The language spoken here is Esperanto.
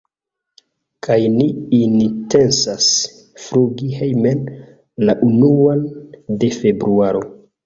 kaj ni intencas flugi hejmen la unuan de februaro.